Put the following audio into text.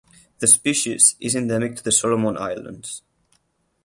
The species is endemic to the Solomon Islands.